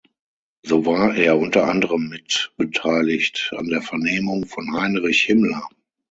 So war er unter anderem mit beteiligt an der Vernehmung von Heinrich Himmler.